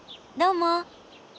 どうも。